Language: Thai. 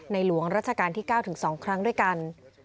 หลวงราชการที่๙ถึง๒ครั้งด้วยกัน